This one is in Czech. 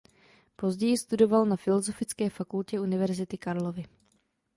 Později studoval na Filozofické fakultě Univerzity Karlovy.